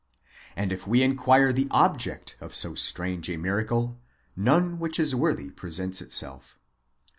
And if we inquire the object of so strange a miracle, none which is worthy presents itself.